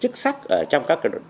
chức sắc ở trong các cơ đội